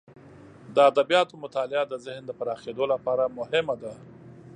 د ادبیاتو مطالعه د ذهن د پراخیدو لپاره مهمه ده.